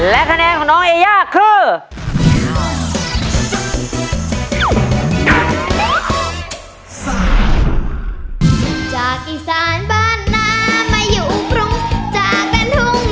และคะแนนของน้องเอย่าคือ